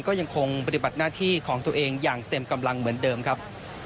ก็ยังคงปฏิบัติหน้าที่ของตัวเองอย่างเต็มกำลังเหมือนเดิมครับ